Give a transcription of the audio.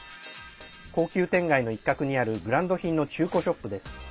高級店街の一角にあるブランド品の中古ショップです。